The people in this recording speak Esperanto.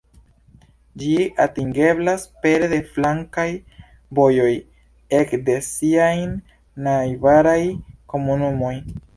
Ĝi atingeblas pere de flankaj vojoj ek de siajn najbaraj komunumoj.